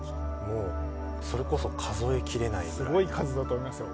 もうそれこそ数えきれないぐらい。